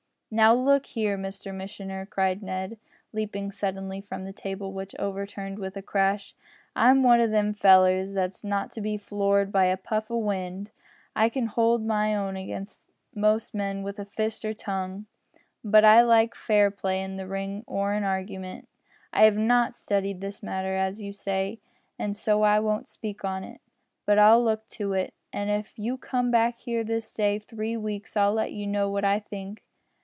"Now, look here, Mr missioner," cried Ned, leaping suddenly from the table, which overturned with a crash, "I'm one o' them fellers that's not to be floored by a puff o' wind. I can hold my own agin most men wi' fist or tongue. But I like fair play in the ring or in argiment. I have not studied this matter, as you say, an' so I won't speak on it. But I'll look into it, an' if you come back here this day three weeks I'll let you know what I think.